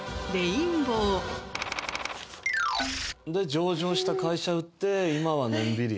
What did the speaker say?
上場した会社売って今はのんびり。